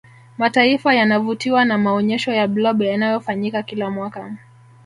mataifa yanavutiwa na maonyesho ya blob yanayofanyika kila mwaka